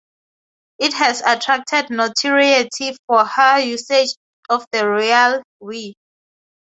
It has attracted notoriety for her usage of the royal "we".